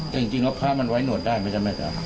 แต่จริงว่าพระมันไว้หนวดได้ไหมครับ